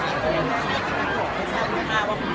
การรับความรักมันเป็นอย่างไร